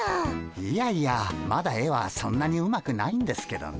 いやいやまだ絵はそんなにうまくないんですけどね。